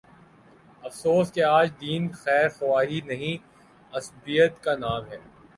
افسوس کہ آج دین خیر خواہی نہیں، عصبیت کا نام ہے۔